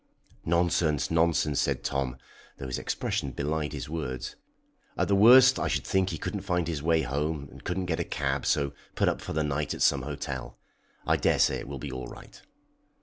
"Nonsense, nonsense," said Tom, though his expression belied his words. "At the worst I should think he couldn't find his way home, and couldn't get a cab, so put up for the night at some hotel. I daresay it will be all right."